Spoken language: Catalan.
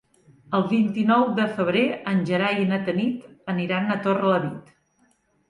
El vint-i-nou de febrer en Gerai i na Tanit aniran a Torrelavit.